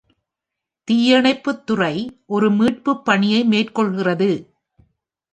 தீயணைப்புத் துறை ஒரு மீட்புப் பணியை மேற்கொள்கிறது.